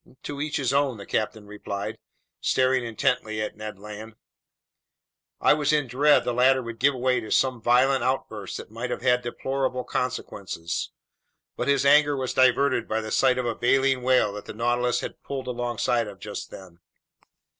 "To each his own," the captain replied, staring intently at Ned Land. I was in dread the latter would give way to some violent outburst that might have had deplorable consequences. But his anger was diverted by the sight of a baleen whale that the Nautilus had pulled alongside of just then.